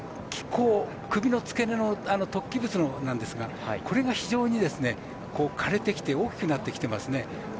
甲、首の付け根の突起物なんですがこれが非常に大きくなっていますね。